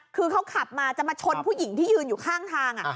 คือเขาขับมาจะมาชนผู้หญิงที่ยืนอยู่ข้างทาง